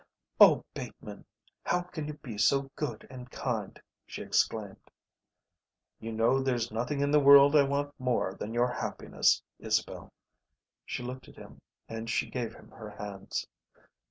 "Oh, Bateman, how can you be so good and kind?" she exclaimed. "You know there's nothing in the world I want more than your happiness, Isabel." She looked at him and she gave him her hands.